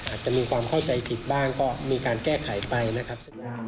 อาจจะมีความเข้าใจผิดบ้างก็มีการแก้ไขไปนะครับ